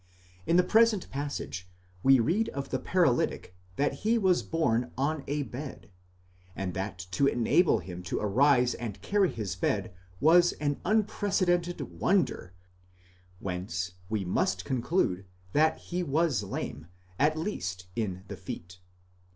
In the present passage, we read of the paralytic that he was borne on a ded κλίνη, and that to enable him to arise and carry his bed was an un precedented wonder παράδοξον, whence we must conclude that he was lame, at least in the feet.